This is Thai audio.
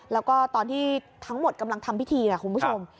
แล้วก็ตอนที่ทั้งหมดกำลังทำพิธีนะคุณผู้ชม